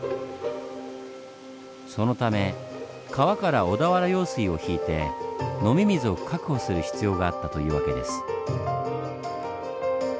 そのため川から小田原用水を引いて飲み水を確保する必要があったというわけです。